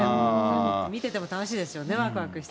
見てても楽しいですよね、わくわくして。